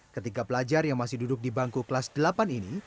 ketiga pelajar yang masih duduk di bangku kelas delapan ini